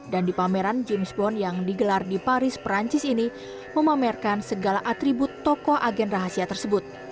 dan di pameran james bond yang digelar di paris perancis ini memamerkan segala atribut tokoh agen rahasia tersebut